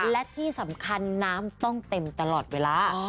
และที่สำคัญน้ำต้องเต็มตลอดเวลา